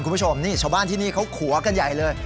คุณผู้ชมนี่ชาวบ้านที่นี่เขาขัวกันใหญ่เลย